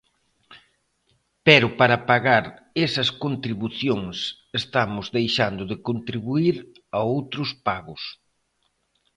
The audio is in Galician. Pero para pagar esas contribucións estamos deixando de contribuír a outros pagos.